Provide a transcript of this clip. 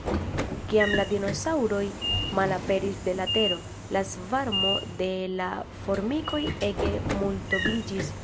Kiam la dinosaŭroj malaperis de la tero, la svarmo de la formikoj ege multobliĝis.